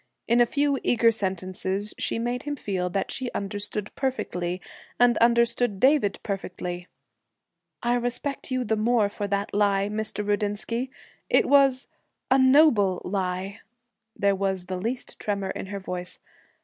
In a few eager sentences she made him feel that she understood perfectly, and understood David perfectly. 'I respect you the more for that lie, Mr. Rudinsky. It was a noble lie!' There was the least tremor in her voice.